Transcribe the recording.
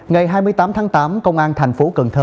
ngày hai mươi tám tháng tám công an tp hcm